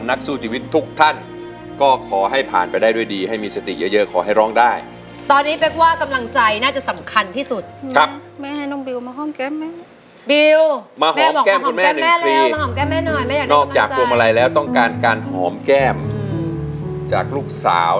นอกจากความอะไรแล้วต้องการการหอมแก้มจากลูกสาว